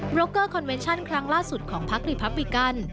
รกเกอร์คอนเวนชั่นครั้งล่าสุดของพักรีพับบิกัน